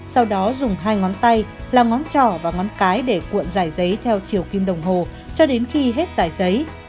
sau đó dùng hai ngón tay làm ngón trỏ và ngón cái để cuộn dài giấy theo chiều kim đồng hồ cho đến khi hết dài giấy